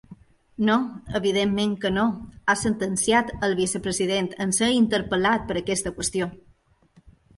No, evidentment que no, ha sentenciat el vicepresident en ser interpel·lat per aquesta qüestió.